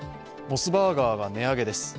モスバーガーが値上げです。